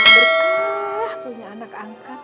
berkah punya anak angkat